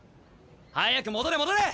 早く戻れ戻れ！